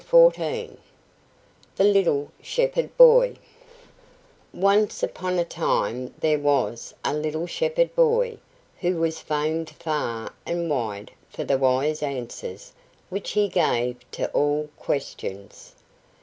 THE LITTLE SHEPHERD BOY Once upon a time there was a little shepherd boy who was famed far and wide for the wise answers which he gave to all questions.